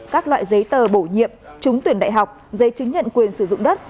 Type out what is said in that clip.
các loại giấy tờ bổ nhiệm trúng tuyển đại học giấy chứng nhận quyền sử dụng đất